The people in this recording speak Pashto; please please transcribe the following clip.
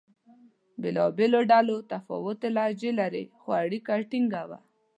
بېلابېلو ډلو متفاوتې لهجې لرلې؛ خو اړیکه ټینګه وه.